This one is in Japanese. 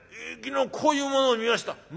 昨日こういうものを見ました。